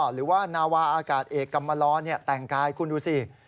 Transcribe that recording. หรือว่านาวาอากาศเอกกำมาลอแต่งกายคุณดูสิ